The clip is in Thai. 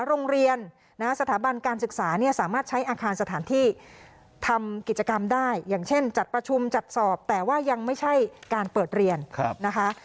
โรงเรียนสถาบันการศึกษาเนี่ยสามารถใช้อาคารสถานที่ทำกิจกรรมได้อย่างเช่นจัดประชุมจัดสอบแต่ว่ายังไม่ใช่การเปิดเรียนนะคะ